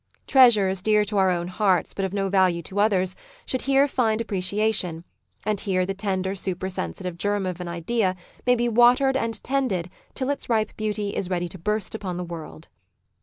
Treasures, dear to our own hearts but of no value to others, should here find appreciation, and here the tender super sensitive germ of an idea may be watered and tended till its ripe beauty is ready to burst upon the world.